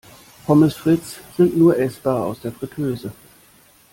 Pommes frites sind nur essbar aus der Friteuse.